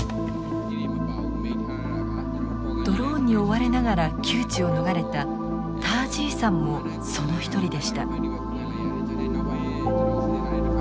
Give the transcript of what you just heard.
ドローンに追われながら窮地を逃れたター・ジーさんもその一人でした。